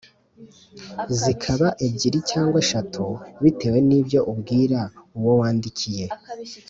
zikaba ebyiri cyangwa eshatu bitewe n’ibyo ubwira uwo wandikiye